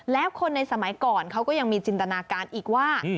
แล้วคนในสมัยก่อนเขาก็ยังมีจินตนาการอีกว่า